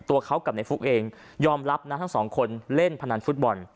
ตัวเขากับในฟุ๊กเองยอมรับนะทั้งสองคนเล่นพนันฟุตบอล